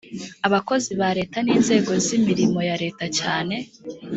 Abakozi ba leta n inzego z imirimo ya leta cyane